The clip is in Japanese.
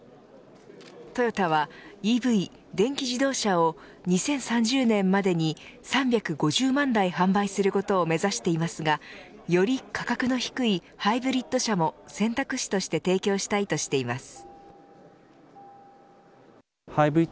トヨタはＥＶ＝電気自動車を２０３０年までに３５０万台販売することを目指していますがより価格の低いハイブリッド車も選択肢として提供したいとしています。